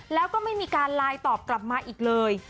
แล้วก็ไม่มีการไลน์ตอบกลับมาอีกเลย